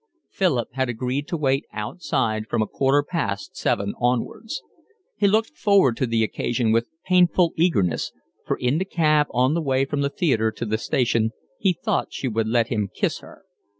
Philip had agreed to wait outside from a quarter past seven onwards. He looked forward to the occasion with painful eagerness, for in the cab on the way from the theatre to the station he thought she would let him kiss her.